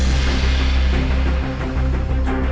sambil mabuk begini eh